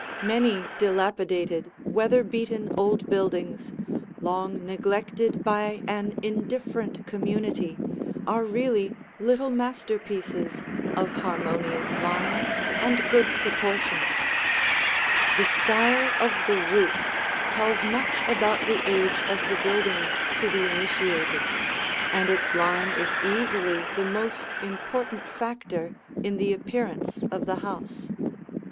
Many dilapidated, weather beaten old buildings, long neglected by an indifferent community, are really little masterpieces of harmonious line and good proportion. The style of the roof tells much about the age of the building to the initiated, and its line is easily the most important factor in the appearance of the house.